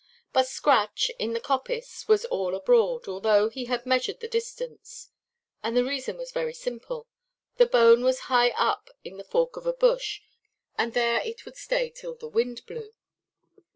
But Scratch, in the coppice, was all abroad, although he had measured the distance; and the reason was very simple—the bone was high up in the fork of a bush, and there it would stay till the wind blew.